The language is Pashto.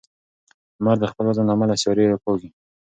لمر د خپل وزن له امله سیارې راکاږي.